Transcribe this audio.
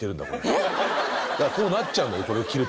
えっ⁉こうなっちゃうこれを着ると。